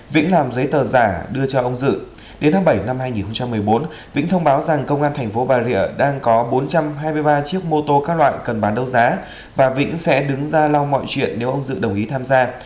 vĩnh làm giấy tờ giả đưa cho ông dự đến tháng bảy năm hai nghìn một mươi bốn vĩnh thông báo rằng công an thành phố bà rịa đang có bốn trăm hai mươi ba chiếc mô tô các loại cần bán đấu giá và vĩnh sẽ đứng ra lau mọi chuyện nếu ông dự đồng ý tham gia